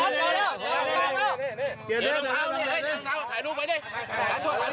ในรถหลักเปรียบรู้แสดงที่ไหนไหมครับ